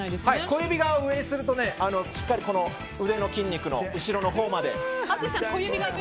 小指を上にするとしっかり腕の筋肉の後ろのほうまで。